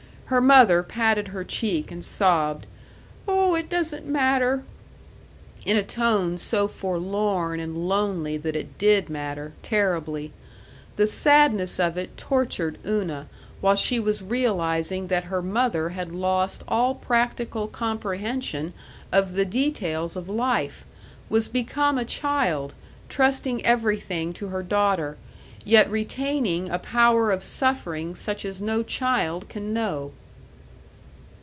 Her mother patted her cheek, and sobbed, "Oh, it doesn't matter," in a tone so forlorn and lonely that it did matter, terribly. The sadness of it tortured Una while she was realizing that her mother had lost all practical comprehension of the details of life, was become a child, trusting everything to her daughter, yet retaining a power of suffering such as no child can know.